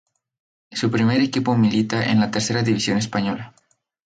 Su primer equipo milita en la Tercera División Española.